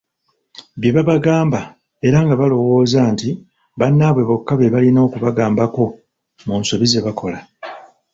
Bye babagamba, era nga balowooza nti bannaabwe bokka be balina okubagambako mu nsobi zebakola,